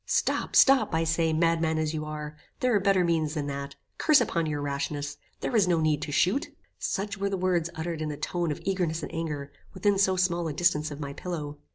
"Stop, stop, I say; madman as you are! there are better means than that. Curse upon your rashness! There is no need to shoot." Such were the words uttered in a tone of eagerness and anger, within so small a distance of my pillow.